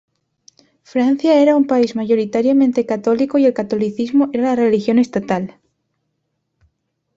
Francia era un país mayoritariamente católico y el catolicismo era la religión estatal.